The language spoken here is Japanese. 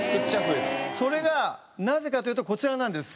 それがなぜかというとこちらなんです。